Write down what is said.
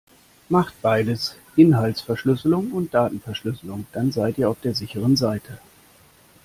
Macht beides, Inhaltsverschlüsselung und Datenverschlüsselung, dann seit ihr auf der sicheren Seite.